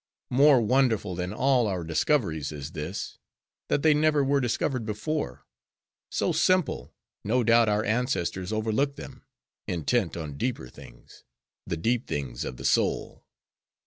—more wonderful than all our discoveries is this: that they never were discovered before. So simple, no doubt our ancestors overlooked them; intent on deeper things—the deep things of the soul.